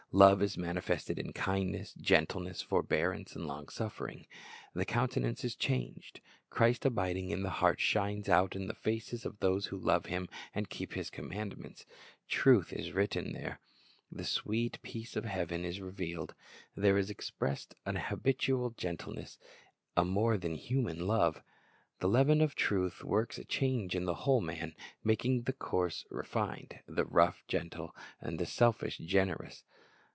Love is manifested in kindness, gentleness, forbearance, and long suffering. The countenance is changed. Christ abiding in the heart shines out in the feces of those who love Him and keep His commandments. Truth is written there. The sweet peace of heaven is revealed. There is expressed a habitual gentleness, a more than human love. The leaven of truth works a change in the whole man, making the coarse refined, the rough gentle, the selfish generous.